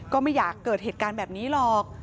ก็ไม่อยากเกิดเหตุการณ์แบบนี้หรอก